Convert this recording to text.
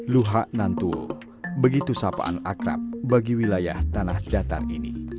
luhak nantuo begitu sapaan akrab bagi wilayah tanah datar ini